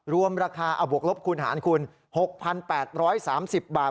รวมราคาเอาบวกลบคูณหารคุณ๖๘๓๐บาท